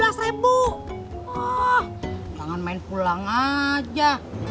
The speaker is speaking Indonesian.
ah jangan main pulang aja